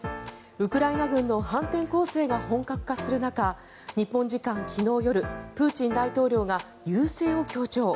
ウクライナ軍の反転攻勢が本格化する中日本時間昨日夜プーチン大統領が優勢を強調。